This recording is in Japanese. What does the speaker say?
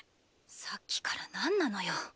さっきからなんなのよ。